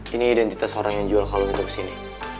ini identitas orang yang jual kalung untuk kesini